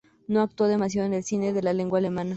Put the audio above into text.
No actuó demasiado en el cine en lengua alemana.